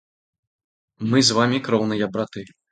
Мы з вамі кроўныя браты.